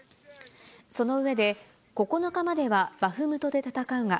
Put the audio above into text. その上で、９日まではバフムトで戦うが、